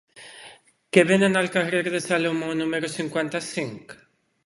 Què venen al carrer de Salomó número cinquanta-cinc?